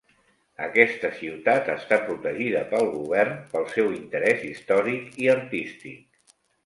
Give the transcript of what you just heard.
Aquesta ciutat està protegida pel govern pel seu interès històric i artístic.